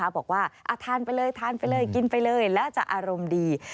บอกว่าทานไปเลยทานไปเลยกินไปเลยแล้วจะอารมณ์ดี